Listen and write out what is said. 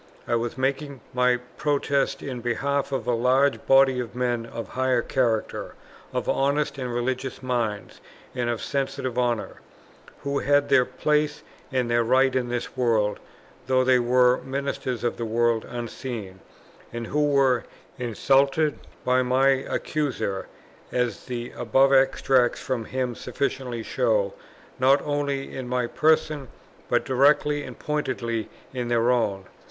I was making my protest in behalf of a large body of men of high character, of honest and religious minds, and of sensitive honour, who had their place and their rights in this world, though they were ministers of the world unseen, and who were insulted by my Accuser, as the above extracts from him sufficiently show, not only in my person, but directly and pointedly in their own.